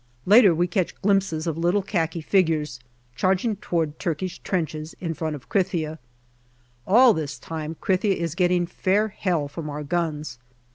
Later we catch glimpses of little khaki figures charging towards Turkish trenches in front of Krithia. All this time Krithia is getting fair hell from our guns.